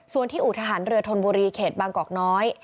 ส่วนที่อู่ทหารเรือธนบุรีเขตบางกอกน้อย